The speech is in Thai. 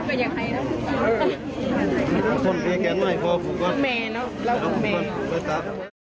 สำหรับพ่อแม่ลุงพลนะครับลุงพลนี่ก็กลั้นน้ำตาไม่อยู่ครับวันนี้